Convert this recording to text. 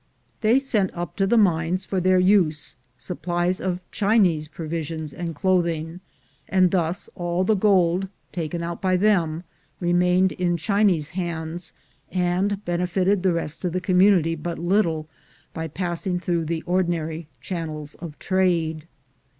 They sent up to the mines for their use supplies of Chinese provisions and clothing, and thus all the gold taken out by them remained in Chinese hands, and benefited the rest of the community but little by passing through the ordinary channels of trade.